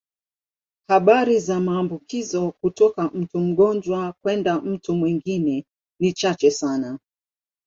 Habari za maambukizo kutoka mtu mgonjwa kwenda mtu mwingine ni chache sana.